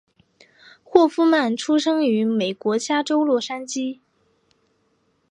霍夫曼出生于美国加州洛杉矶。